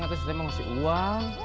kita sendiri mau ngasih uang